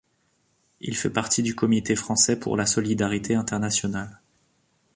Il fait partie du Comité français pour la solidarité internationale.